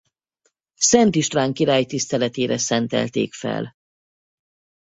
Szent István király tiszteletére szentelték fel.